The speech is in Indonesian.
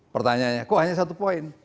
pertanyaannya kok hanya satu poin